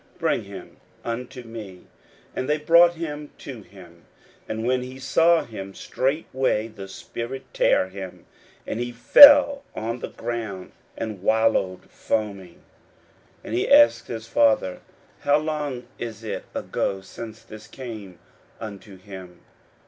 bring him unto me. 41:009:020 And they brought him unto him: and when he saw him, straightway the spirit tare him; and he fell on the ground, and wallowed foaming. 41:009:021 And he asked his father, How long is it ago since this came unto him?